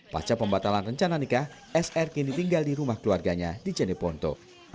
pasca pembatalan rencana nikah sr kini tinggal di rumah keluarganya di jeneponto